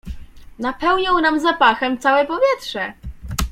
— Napełnią nam zapachem całe powietrze!